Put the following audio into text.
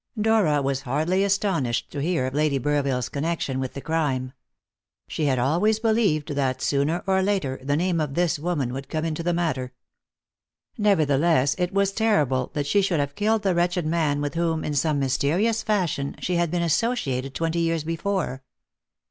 Dora was hardly astonished to hear of Lady Burville's connection with the crime. She had always believed that, sooner or later, the name of this woman would come into the matter. Nevertheless, it was terrible that she should have killed the wretched man with whom, in some mysterious fashion, she had been associated twenty years before.